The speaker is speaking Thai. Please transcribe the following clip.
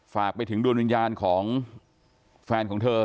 ฝากไปถึงดวงวิญญาณของแฟนของเธอ